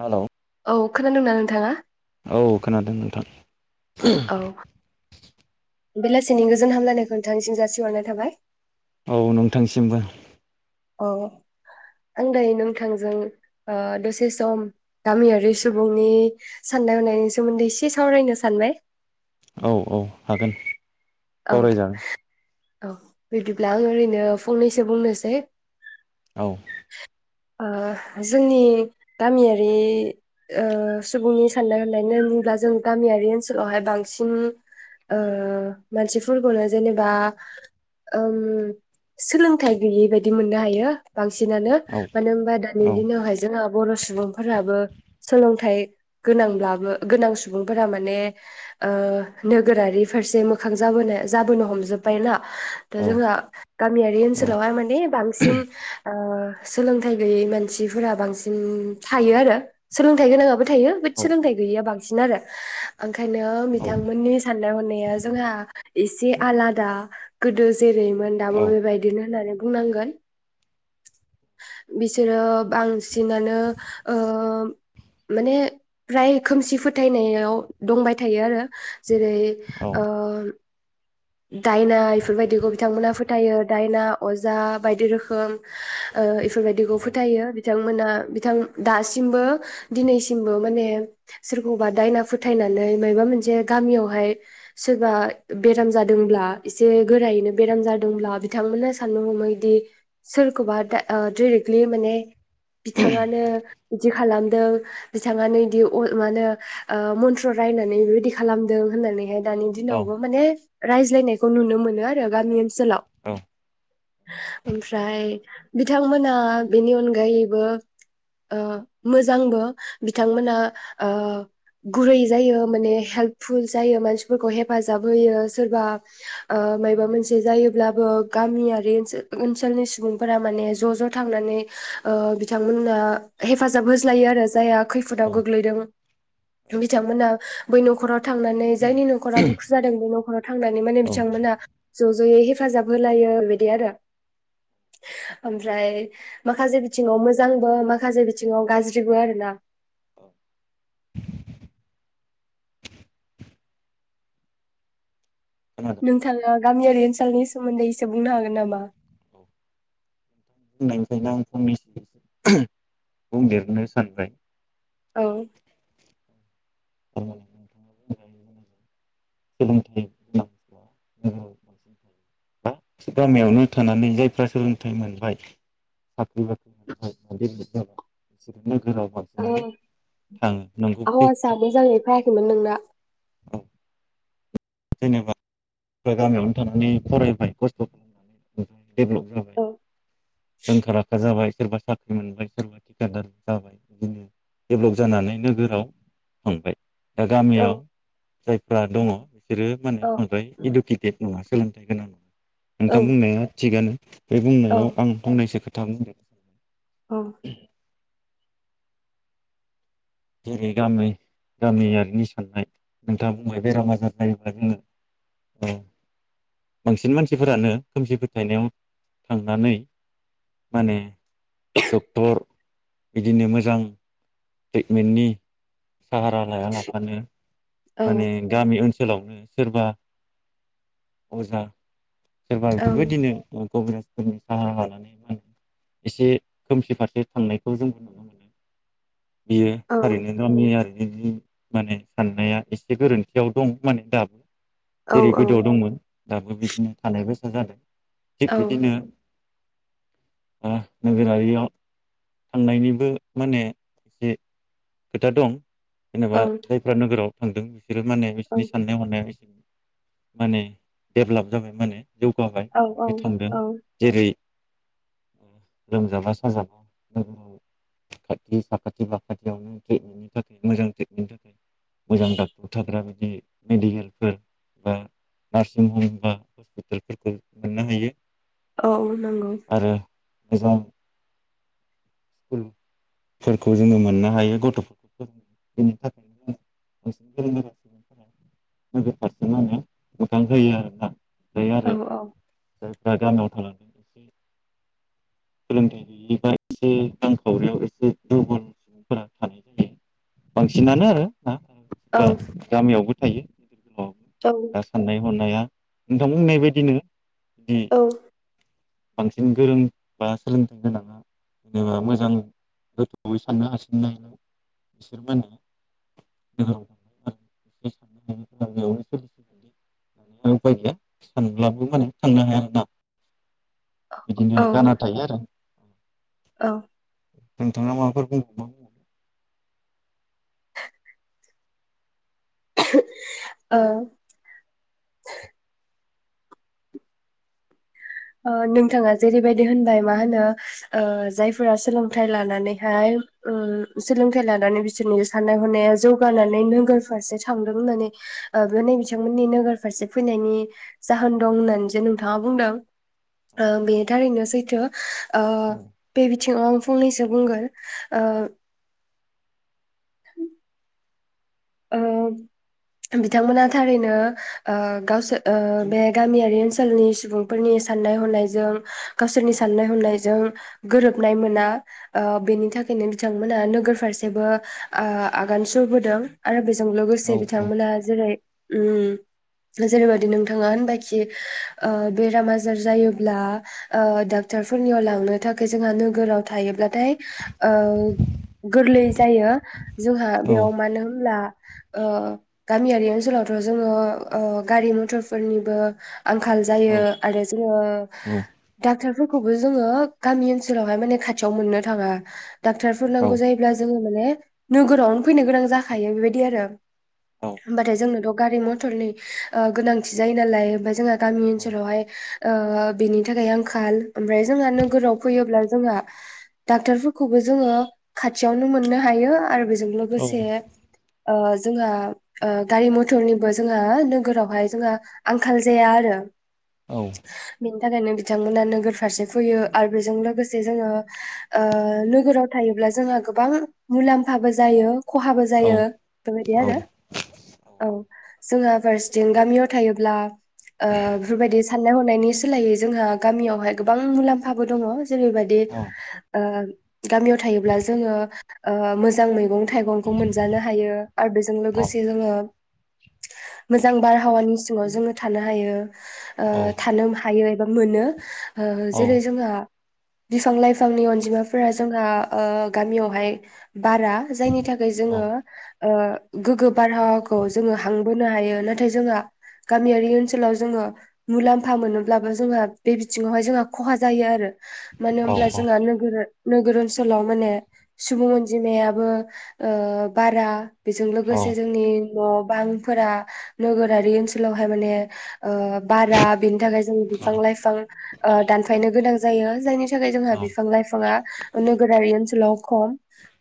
Hello औ खोनादोंना नोंथाङा औ खोनादों नोंथां औ बेलासिनि गोजोन हामलायनायखौ नोंथांनिसिम जासिहरनाय थाबाय। औ नोंथांसिमनिबो। अ आं दायो नोंथांजों ओ दसे सम गामियारि सुबुंनि साननाय हनायनि सोमोन्दै एसे सावरायनो सानबाय। औ औ हागोन। औ। सावरायजागोन औ बिदिब्ला आं ओरैनो फंनैसो बुंनोसै। औ। ओ जोंनि गामियारि सुबुंनि साननाय हनायानो बुङोब्ला जों गामियारि ओनसोलावहाय बांसिन मानसिफोरखौनो जेनेबा सोलोंथाइ गैयि बायदि मोननो हायो। बांसिनानो औ मानो होनबा दानि औ दिनावहाय जों बर' सुबुंफोराबो सोलोंथाइ गोनांब्लाबो गोनां सुबुंफोरा माने ओ नोगोरारि फारसे मोखां जाबोनाय जाबोनो हमजोब्बायना। दा औ जोंहा गामियारि औ ओनसोलावहाय माने बांसिन सोलोंथाइ गैयै मानसिफोरा बांसिन थायो आरो सोलोंथाइ गोनाङाबो थायो [unintelligible] औ सोलोंथाइ गैयि बां बांसिन आरो। ओंखायनो बिथांमोननि साननाय हनाया एसे आलादा गोदो जेरैमोन दाबो बेबायदिनो होननानै बुंनांगोन बिसोरो बांसिनानो ओ माने फ्राय खोमसि फोथायनायाव दंबाय थायो आरो जेरै ओ दायना बेफोर बायदिखौ बिथांमोनहा फोथायो दायना अजा बायदि रोखोम ओ बेफोर बायदिखौ फोथायो। बिथांमोना बिथां दासिमबो दिनैसिमबो माने सोरखौबा दायना फोथायनानै मायबा मोनसे गामियावहाय सोरबा बेराम जादों जादोंब्ला एसे गोरायैनो बेराम जादोंब्ला बिथांमोना साननो हमैदि सोरखौबा दा डारेक्टलि माने। बिथाङानो बिदि खालामदों बिथाङानो बिदि मानो होनो मन्त्र रायनानै बेबायदि खालामदों होननानैहाय। दानि औ दिनावबो माने रायज्लायनायखौ नुनो मोनो आरो गामि ओ जोलाव ओमफ्राय। बिथांमोना बेनि अनगायैबो मोजांबो बिथांमोना गुरै जायो माने हेल्पफुल जायो मानसिफोरखौ हेफाजाब होयो। सोरबा माबा मोनसे जायोब्लाबो गामियारि ओनसोलनि सुबुंफोरा माने ज' ज' थांनानै बिथांमोनो हेफाजाब होस्लायो आरो जायहा। खैफोदाव गोग्लैदों बिथांमोना। बै नखराव थांनानै जायनि न'खरा दुखु जादों बे न'खराव माने औ बिथांमोनहा। ज' ज'यै हेफाजाब होलायो बिदि आरो ओमफ्राय माखासे बिथिङाव मोजांबो माखासे बिथिङाव गाज्रिबो आरोना। [inaudible] खोनादों औ नोंथांआ गामियारि ओनसोलनि सोमोन्दै एसे बुंनो हागोन नामा? बुंनायनिखायनो आं फंनैसो बुंदेरनो सानबाय। औ। [inaudible] नोगोराव बांसिन थायो बा गामियावनो थानानै जायफ्रा सोलोंथाइ मोनबाय साख्रि बाख्रि मोनये जाबाय बिसोर औ नोंगौ सैथो आवाजा मोजाङै फायाखैलै नोंना। औ जेनेबा आंबो गामियावनो थानानै फरायबाय खस्थ खालामनानै देरनाय। देभलप जाबाय। औ रोंखा राखा जाबाय सोरबा साख्रि मोनबाय सोरबा थिखादार जाबाय बिदिनो देभलप जानानै नोगोराव थांबाय। दा औ गामियाव जायफ्रा दङ बिसोरो औ माने इदुकेट नङा सोलोंथाइ गोनां नङा। औ नोंथां बुंनाया थिगानो। बे औ बुंनायाव आं बुंनायसो खोथा खोथा बुंगोन। औ। जेरै गामि गामियारिनि साननाय नोंथांआ बुंनाय बेराम आजार जायोबा जोङो ओ बांसिन मानसिफोरानो खोमसि फोथायनायाव थांनानै माने डक्टर, बिदिनो मोजां। ट्रिटमेन्टनि साहारा लाया लाबानो । ओं माने गामि ओनसोल ओनसोलावनो सोरबा अजा सोरबा बेफोरबायदिनो कबिराजफोरनि साहारा लानानै मा होनो एसे खोमसि फारसे थांनायखौ जों बियो औ थारैनो मानियो आरो। बिसोरनि माने साननाया एसे गोरोन्थियाव दं माने दाबो। औ जेरै गोदोआव दंमोन दाबो बिदिनो थानाय बायसा। बेनोथ जादों। थिग औ बिदिनो ओ नोगोरारियाव थांनायनिबो माने एसे खोथा दं। जेनेबा जायफ्रा नोगोराव थांदों। बिसोरो माने बिसोरनि साननाय हनायाव एस माने डेभलप जाबाय माने । जौगाबाय औ बिथांदों औ जेरै लोमजाबा साजाबा लोगो साखाथि बाखाथियावनो ट्रिटमेन्टनि थाखाय मोजां ट्रिटमेन्नि थाखाय । मोजां डाक्टार थाग्रा ए मेडिकेलफोर बा नार्सिं हम बा हस्पिटालफोरखौ मोननो हायो। औ नंगौ। गोजाम। स्कुलफोरखौ जोङो मोननो हायो गथ'फोरखौ फोरो बेनि थाखायनो जोङो बांसिन गोरों गोरा [unintelligible] आरोना दायो आरो औ औ जायफ्रा गामियाव थालांदों सोलोंथाइ गैयिबा एसे रांखावरियाव एसे दुरबल सुबुंफोरा थानाय जायो बांसिनानो आरो [unintelligible] औ बा गामियावबो थायो द औ दा साननाय हनाया नोंथां बुंनाय बायदिनो बिदि औ बांसिन गोरों बा सोलोंथाइ गोनाङा जेनेबा मोजां गोथौै साननो हासिननायलाय बिसोर माने थ साननो ह ग सोलि उफाय गैया सानब्लाबो माने थांनो हाया आरोना बिदिनो औ जाना थायो आरो [inaudible] औ नोंथांआ माबाफोर बुं- [unintelligible] ओ ओ नोंथाङा जेरैबायदि होनबाय मा होनो ओ जायफोरा सोलोंथाइ लानानैहाय उम सोलोंथाइ लानानै बिसोरनि साननाय हनाया जौगानानै नोगोर फारसे थांदों होननानै ओ बे नै बिथांमोननि नोगोर फारसे फैनायनि जाहोन दं होननानै जो नोंथाङा बुंदों ओ बेनि थारैनो सैथो ओ बे बिथिङाव आं फंनैसो बुंगोन ओ ओ बिथांमोनहा थारैनो ओ गावसो ओ बे गामियारि ओनसोलनि सुबुंफोरनि साननाय हनायजों गावसोरनि साननाय हनायजों गोरोबनाय मोना ओ बेनि थाखायनो बिथांमोना नोगोर फारसेबो ओ आगान सुरबोदों आरो बिस जों औ लोगोसे बिथांमोना जेरै उम जेरैबादि नोंथाङा होनबायखि बेराम ओ आजार जायोब्ला ओ डाक्टारफोरनियाव लांनो थाखाय जोंहा नोगोराव थायोब्लाथाय ओं गोरलै जायो जोंहा औ बेयाव मानो हो होनब्ला ओ गामियारि ओनसोलावथ' जोङो ओ गारि मथरफोरनिबो आंखाल औ जायो आरो जोङो औ औ डाक्टारफोरखौबो जोङो गामि ओनसोलावहाय माने खाथियाव मोननो थाङा डाक्टारफोर औ नांगौ जायोब्ला जो जोङो माने नोगोरावनो फैनो गोनां जाख खायो बेबायदि आरो औ होमबाथाय जों गारि मथरनि ओ गोनांथि जायो नालाय जोंहा गामि औ ओनोलावहाय ओ बिनि थाखाय आंखाल ओमफ्राय जोंहा नोगोराव फैयोब्ला जोंहा डाक्टारफोरखौबो जोङो खाथियावनो मोननो हायो आरो बिस जों औ लोगोसे ओ जोंहा ओ गारि मथरनिबो जोंहा नोगोरावहाय जोंहा आंखाल जाया आरो औ बेनि थाखायनो बिथांमोना नोगोर फारसे फैयो आरो बेजों लोगोसे जोङो ओ नोगोराव थायोब्ला जोंहा गोबां मुलाम्फाबो जायो खहा जायो बेबायदि आरो औ जोंहा फारसेथिं गामियाव थायोब्ला ओ बेफोरबायदि साननाय हनायनि सोलायै जोंहा गामियावहाय गोबां मुलाम्फाबो दङ' जेरैबायदि ओ गामियाव थायोब्ला जोङो ओ मोजां मैगं थाइगं खौ मोनजानो हायो आरो बेजों लोगोसे जोङो मोजां बारहावानि सिङाव जोङो थानो हायो ओ थानोम हायो। मोनो। ओ जेरै जोंहा। बिफां-लाइफांनि अनजिमाफोरा जोंहा ओ गामियावहाय। बारा जायनि थाखाय जोङो। ओ गोग्गो बारहावाखौ जोङो हां बोनो हायो, नाथाय जोंहा गामियारि ओनसोलाव जोङो मुलाम्फा मोनोब्लाबो जोंहा बे बिथिङावहाय जोंहा खहा जायो आरो। मानो होमब्ला? जोंहा नोगोर नोगोर ओनसोलाव माने सुबुं अनजिमायाबो ओ बारा। बेजों औ लोगोसे जोंनि न' बांफोरा नोगोरारि ओनसोलावहाय माने ओ बारा बिनि थाखाय जों बिफां लाइफां ओ दानफायनो गोनां जायो जायनि थाखाय जोंहा बिफां लाइफाङा नोगोरारि ओनसोल। लखम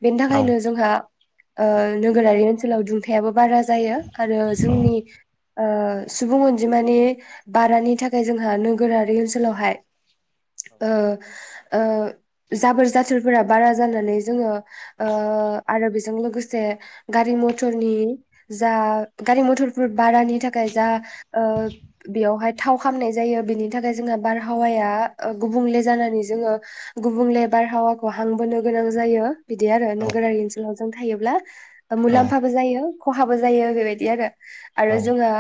बेनि थाखायनो जोंहा। ओ नोगोरारि ओनसो [unintelligible] जायो, आरो जोंनि ओ सुबुं अनजिमानि बारानि थाखाय जोंहा नोगोरारि ओनसोलावहाय ओ ओ जाबोर जाथोरफोरा बारा जानानै जोङो ओ आरो बे जों लोगोसे गारि मथरनि जा गारि मथरफोर बारानि थाखाय जा ओ बेयावहाय थाव खामनाय जायो बेनि थाखाय जोंहा बारहावाया गुबुंले जानानै जोङो गुबुंले बारहावाखौ हां बोनो गोनां जायो। बिदि आरो नोगोरारि ओनसोलाव। जों थायोब्ला। ओ मुलाम्फाबो जायो। खहाबो जायो आग्रो बायदि आरो। आरो जोंहा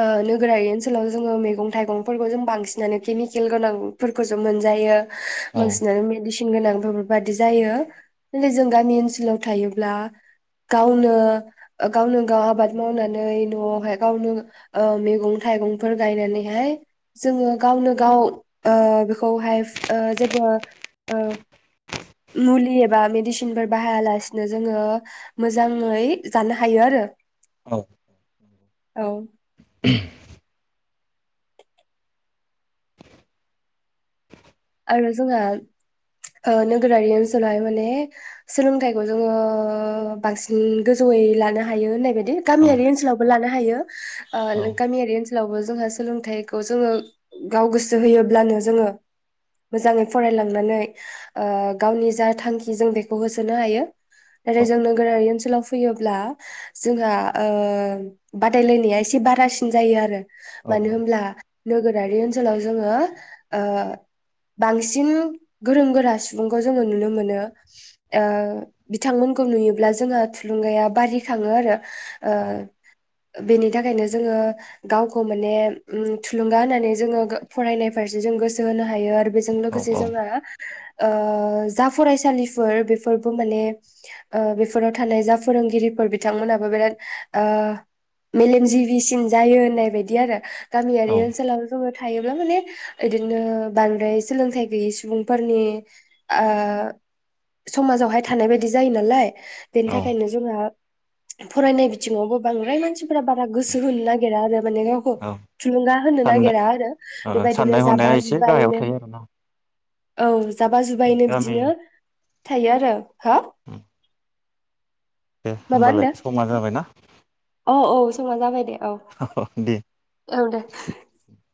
ओ नोगोरारि ओनसोलाव जोङो मैगं थाइगंफोरखौ जों बांसिनानो केमिकेल गोनांफोरखौसो मोनजायो। बांसिनानो मेडिसि [unintelligible] नाथाय जों गामि ओनसोल सोलों थायोब्ला, गावनो ओ गावनो गाव आबाद मावनानै नआव हाय गावनो ओ मैगं थाइगंफोर गायनानै हाय जोङो गावनो गाव ओ बेखौ हाय ओ जेबो ओ मुलि एबा मिडिसिन फोर बाहायालासिनो जोङो मोजाङै जानो हायो आरो। औ। औ। [unintelligible] [inaudible] आरो जोंहा ओ नोगोरारि ओनसोलावहाय माने सोलोंथाइखौ जोङो बांसिन गोजौयै लानो हायो होननायबाय गामियारि ओनसोलावबो लानो हा हायो। ओ गामियारि ओनसो लावबो जोंहा सोलोंथाइखौ जोङो गाव गोसो होयोब्लानो जोङो मोजाङै फरायलांनानै ओ गावनि जा थांखि जों बेखौ होसोनो हायो। नाथाय जों नोगोरारि ओनसोलाव फैयोब्ला जोंहा ओ बादायलायनाया एसे बारासिन जायो आरो मानो होमब्ला नोगोरारि ओनसोलाव जोङो ओ बांसिन गोरों गोरा सुबुंखौ जोङो नुनो मोनो। ओ बिथांमोनखौ नुयोब्ला जोंहा थुलुंगाया बारिखाङो आरो। ओ बेनि थाखायनो जोङो गावखौ माने उम थुलुंगा होनानै जोङो गो फरायनाय फारसे जों गोसो हायो आरो बेजों लोगोसे जोंहा ओ जा फरायसालिफोर बेफोरबो माने ओ बेफोराव थानाय जा फोरोंगिरिफोर बिथांमोनाबो बिराद ओ मेलेमजिबिसिन जायो होननाय बायदि आरो गामियारि ओनसोलाव जोबोद थायोब्ला माने बिदिनो बांद्राय सोलोंथाइ गैयै सुबुंफोरनि ओ समाजावहाय थानाय बायदि जायो नालाय। बेनि औ थाखायनो जोंहा फरायनाय बि थिङावबो बांद्राय मानसिफोरा बारा गोसो होनो नागेरा आरो माने गावखौ थुलुंगा होनो साननाय नागिरा आरो बेबायदिनो साननाय हनाया जाबा जु एसे गाहायाव थायो आरो ना? औ, जाबा जुबायैनो बिदिनो थायो आरो। हो? दे माबा होमबालाय होनदों समानो जाबाय ना? औ औ समाव जाबाय दे। औ दे। [inaudible]